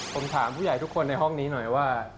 ผมถามผู้ใหญ่ทุกคนในห้องนี้หน่อยว่า